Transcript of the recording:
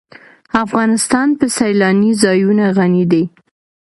افغانستان په سیلانی ځایونه غني دی.